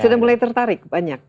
sudah mulai tertarik banyak